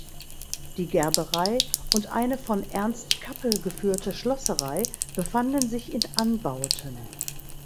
Die Gerberei und eine von "Ernst Kappel" geführte Schlosserei befanden sich in Anbauten.